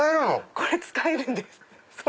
これ使えるんです。